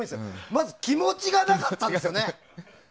まず気持ちがなかったんですよね。